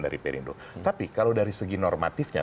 dari perindo tapi kalau dari segi normatifnya